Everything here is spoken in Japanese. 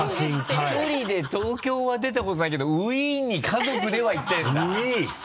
１人で東京は出たことないけどウィーンに家族では行ってるんだウィーン！